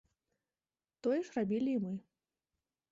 Тое ж рабілі і мы.